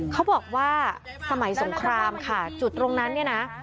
เขาบอกว่าสมัยสงครามค่ะจุดตรงนั้นเนี่ยนะ